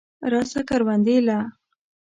راسه کروندې له.